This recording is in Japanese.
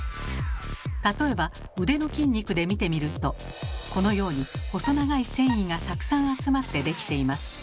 例えば腕の筋肉で見てみるとこのように細長い線維がたくさん集まってできています。